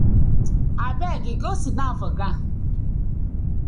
Abeg so sidon for ground.